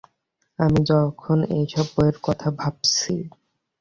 আমি যখন এইসব বইয়ের কথা ভাবছি।